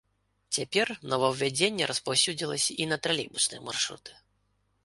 Цяпер новаўвядзенне распаўсюдзілася і на тралейбусныя маршруты.